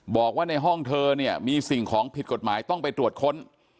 บอกว่าในห้องเธอเนี่ยมีสิ่งของผิดกฎหมายต้องไปตรวจค้น